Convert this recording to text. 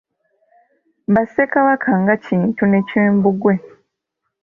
Ba ssekabaka nga Kintu ne Kimbugwe.